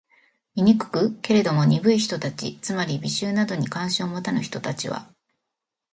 醜く？けれども、鈍い人たち（つまり、美醜などに関心を持たぬ人たち）は、